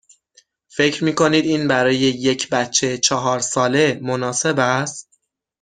فکر می کنید این برای یک بچه چهار ساله مناسب است؟